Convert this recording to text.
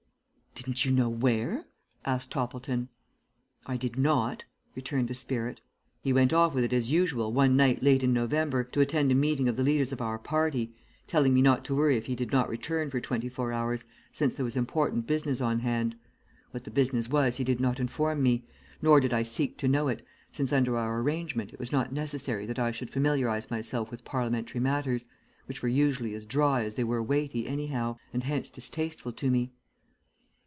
"Didn't you know where?" asked Toppleton. "I did not," returned the spirit. "He went off with it as usual one night late in November to attend a meeting of the leaders of our party, telling me not to worry if he did not return for twenty four hours, since there was important business on hand. What the business was he did not inform me, nor did I seek to know it, since under our arrangement it was not necessary that I should familiarize myself with parliamentary matters, which were usually as dry as they were weighty anyhow, and hence distasteful to me.